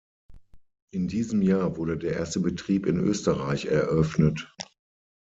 In diesem Jahr wurde der erste Betrieb in Österreich eröffnet.